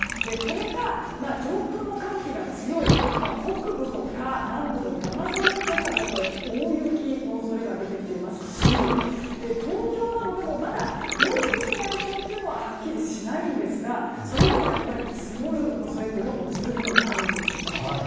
これが、上空の寒気が強い北部とか、南部の山沿い辺りは大雪の恐れが出てきていますし東京などでもまだ量的な予想というのははっきりしないんですがそれでもやっぱり積もる恐れというのも十分あるんですよね。